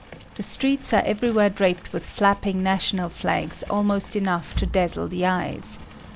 The streets are everywhere draped with flapping national flags almost enough to dazzle the eyes.